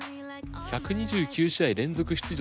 １２９試合連続出場。